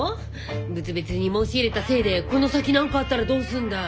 仏滅に申し入れたせいでこの先何かあったらどうすんだい？